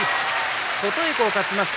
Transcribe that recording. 琴恵光、勝ちました。